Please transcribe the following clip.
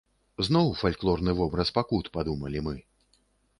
Зноў фальклорны вобраз пакут, падумалі мы.